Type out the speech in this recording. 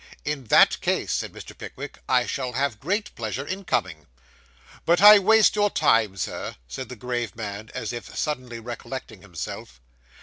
'In that case,' said Mr. Pickwick, 'I shall have great pleasure in coming.' 'But I waste your time, Sir,' said the grave man, as if suddenly recollecting himself.